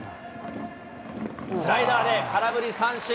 スライダーで空振り三振。